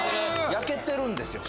焼けてるんですよ